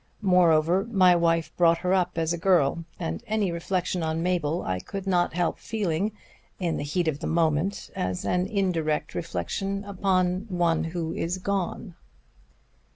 Moreover, my wife brought her up as a girl, and any reflection on Mabel I could not help feeling, in the heat of the moment, as an indirect reflection upon one who is gone."